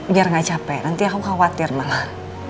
biar gak capek nanti aku khawatir malah